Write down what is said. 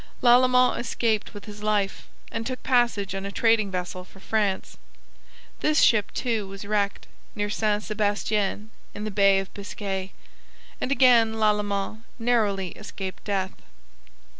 Lalemant escaped with his life, and took passage on a trading vessel for France. This ship, too, was wrecked, near San Sebastian in the Bay of Biscay, and again Lalemant narrowly escaped death.